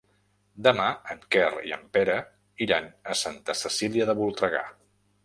Demà en Quer i en Pere iran a Santa Cecília de Voltregà.